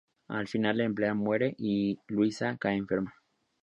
Al final la empleada muere y Luisa cae enferma.